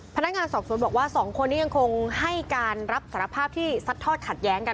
พนักงานสอบสวนบอกว่า๒คนนี้ยังคงให้การรับสารภาพที่ซัดทอดขัดแย้งกัน